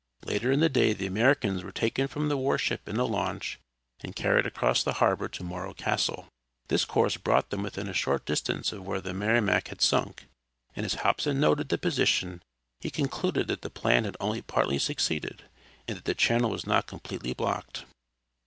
Later in the day the Americans were taken from the war ship in a launch, and carried across the harbor to Morro Castle. This course brought them within a short distance of where the Merrimac had sunk, and as Hobson noted the position he concluded that the plan had only partly succeeded, and that the channel was not completely blocked.